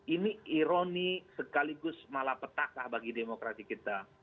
ini ironi sekaligus malah petakah bagi demokrasi kita